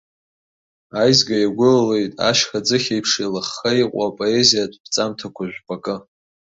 Аизга иагәылалеит ашьха ӡыхь еиԥш, еилыхха иҟоу апоезиатә ԥҵамҭақәа жәпакы.